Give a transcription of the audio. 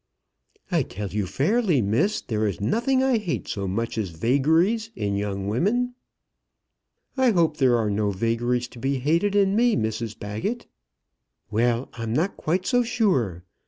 "I tell you fairly, Miss, there is nothing I hate so much as vagaries in young women." "I hope there are no vagaries to be hated in me, Mrs Baggett." "Well, I'm not quite so sure.